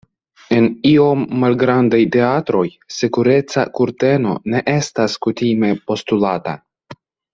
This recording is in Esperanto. En iom malgrandaj teatroj, sekureca kurteno ne estas kutime postulata.